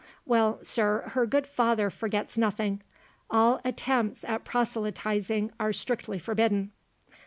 Well, sir, her good father forgets nothing. All attempts at proselytizing are strictly forbidden."